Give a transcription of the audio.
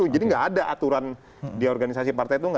jadi tidak ada aturan di organisasi partai itu